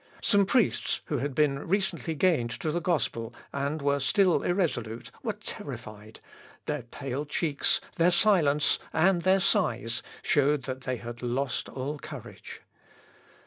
Some priests, who had been recently gained to the gospel, and were still irresolute, were terrified; their pale cheeks, their silence, and their sighs, showed that they had lost all courage.